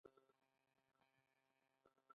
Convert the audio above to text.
کمې خبرې، د زړورتیا نښه ده.